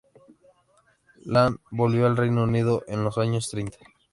Lane volvió al Reino Unido en los años treinta.